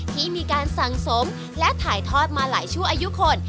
ที่มีการสั่งสมและถ่ายทอดมาหลายชั่วอายุคน